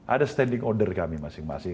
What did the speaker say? ada standing order kami masing masing